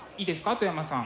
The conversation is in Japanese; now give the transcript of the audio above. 外山さん。